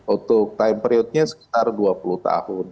untuk time periodnya sekitar dua puluh tahun